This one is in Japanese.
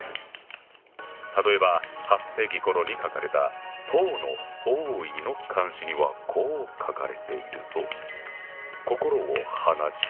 例えば８世紀ごろに書かれた唐の王維の漢詩にはこう書かれているぞ。